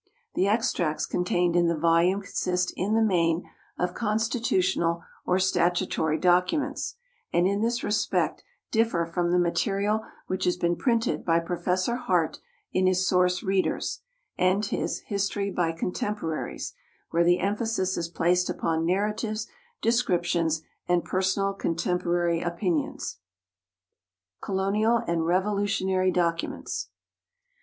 The extracts contained in the volume consist, in the main, of constitutional or statutory documents, and in this respect differ from the material which has been printed by Professor Hart in his "Source Readers," and his "History by Contemporaries," where the emphasis is placed upon narratives, descriptions, and personal contemporary opinions. Colonial and Revolutionary Documents.